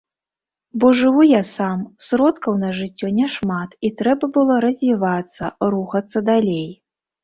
Бо жыву я сам, сродкаў на жыццё няшмат і трэба было развівацца, рухацца далей.